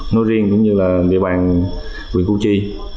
nói riêng cũng như là địa bàn huyện củ chi